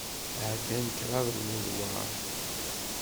Ɛeddant kraḍ n ledwaṛ.